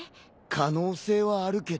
可能性はあるけど。